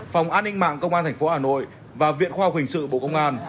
phòng an ninh mạng công an thành phố hà nội và viện khoa học hình sự bộ công an